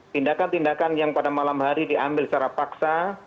tindakan tindakan yang pada malam hari diambil secara paksa